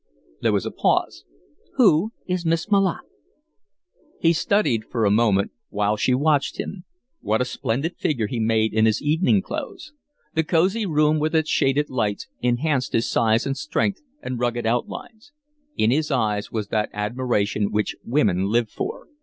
There was a pause. "Who is Miss Malotte?" He studied for a moment, while she watched him. What a splendid figure he made in his evening clothes! The cosey room with its shaded lights enhanced his size and strength and rugged outlines. In his eyes was that admiration which women live for.